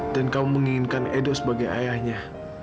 dan kamu menginginkan edo sebagai ayahnya